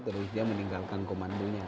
terus dia meninggalkan komandonya